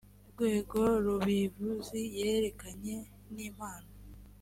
rwego r ubivuzi yerekeranye n impano